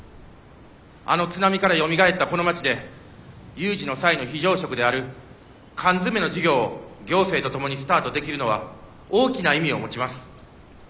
あの津波からよみがえったこの町で有事の際の非常食である缶詰の事業を行政と共にスタートできるのは大きな意味を持ちます。